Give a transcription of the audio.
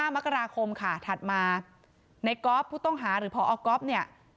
มกราคมค่ะถัดมาในก๊อฟผู้ต้องหาหรือพอก๊อฟเนี่ย